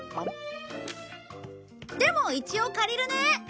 でも一応借りるね！